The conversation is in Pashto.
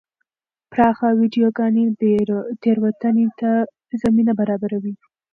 پراخه ویډیوګانې تېروتنې ته زمینه برابروي.